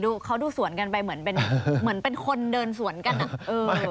ดูสิเขาดูสวนกันไปเหมือนเป็นคนเดินสวนกันอ่ะ